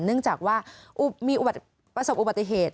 เนื่องจากว่ามีประสบอุบัติเหตุ